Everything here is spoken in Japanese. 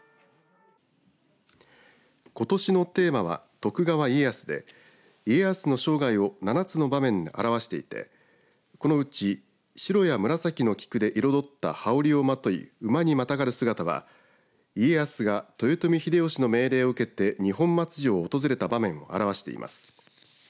ことしのテーマは徳川家康で家康の生涯を７つの場面で表していてこのうち白や紫の菊で彩った羽織をまとい馬にまたがる姿は家康が豊臣秀吉の命令を受けて二本松城を訪れた場面を表しています。